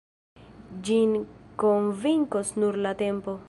Ĝin konvinkos nur la tempo.